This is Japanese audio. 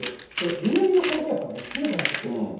南の高気圧はもう強くなってきてます。